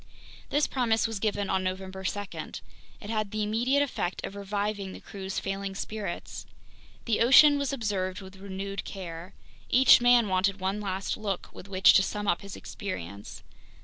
This promise was given on November 2. It had the immediate effect of reviving the crew's failing spirits. The ocean was observed with renewed care. Each man wanted one last look with which to sum up his experience.